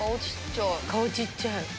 顔小っちゃい。